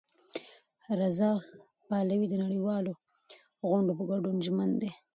رضا پهلوي د نړیوالو غونډو په ګډون ژمن دی.